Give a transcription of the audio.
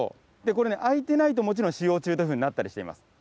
これね、空いてないともちろん、使用中というふうになったりしています。